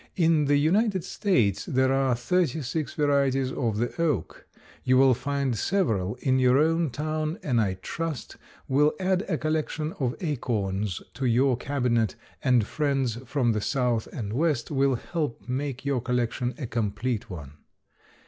In the United States there are thirty six varieties of the oak; you will find several in your own town and I trust will add a collection of acorns to your cabinet, and friends from the South and West will help make your collection a complete one.